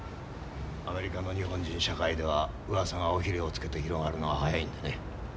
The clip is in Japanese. アメリカの日本人社会ではうわさが尾ひれをつけて広がるのは早いんでね。